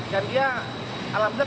dan dia alhamdulillah